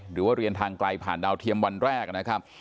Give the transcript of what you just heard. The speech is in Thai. หรือว่าเรียนทางไกลผ่านดาวเทียมวันแรกนะครับ